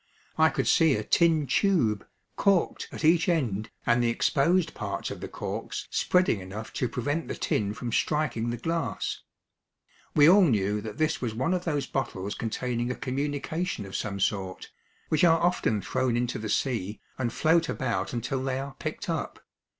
I could see a tin tube, corked at each end, and the exposed parts of the corks spreading enough to prevent the tin from striking the glass. We all knew that this was one of those bottles containing a communication of some sort, which are often thrown into the sea, and float about until they are picked up.